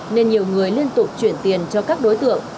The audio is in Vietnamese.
nên nhiều người liên tục chuyển tiền cho các đối tượng